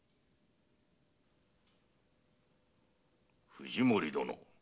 藤森殿。